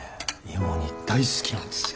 芋煮大好きなんですよ。